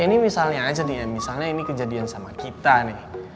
ini misalnya aja nih misalnya ini kejadian sama kita nih